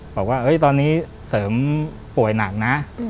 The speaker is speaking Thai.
บอกว่าตอนนี้เสริมป่วยหนักนะ